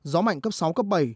gió mạnh cấp sáu cấp bảy